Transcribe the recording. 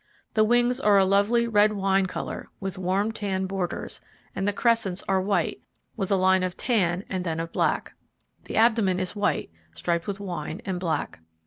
The wings are a lovely red wine colour, with warm tan borders, and the crescents are white, with a line of tan and then of black. The abdomen is white striped with wine and black.